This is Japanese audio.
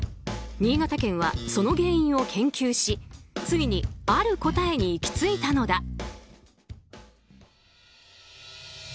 新潟県はその原因を研究しついに、ある答えに行きついたのだ。